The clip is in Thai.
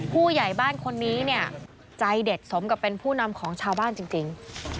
ผู้ใหญ่บ้านคนนี้เนี่ยใจเด็ดสมกับเป็นผู้นำของชาวบ้านจริง